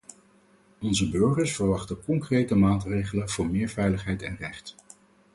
Onze burgers verwachten concrete maatregelen voor meer veiligheid en recht.